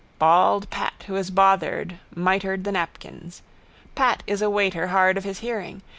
Bald Pat who is bothered mitred the napkins. Pat is a waiter hard of his hearing.